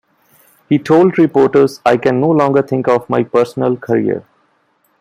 He told reporters, I can no longer think of my personal career.